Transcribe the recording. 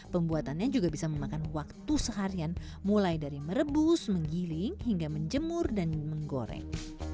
pembuatannya juga bisa memakan waktu seharian mulai dari merebus menggiling hingga menjemur dan menggoreng